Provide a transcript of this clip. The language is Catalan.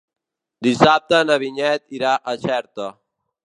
Dissabte na Vinyet irà a Xerta.